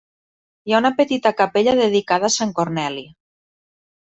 Hi ha una petita capella dedicada a sant Corneli.